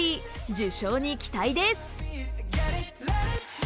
受賞に期待です。